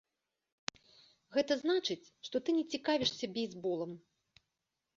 Гэта значыць, што ты не цікавішся бейсболам.